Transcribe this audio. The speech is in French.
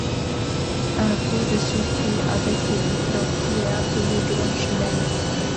Un coup de circuit avec les buts remplis est appelé grand chelem.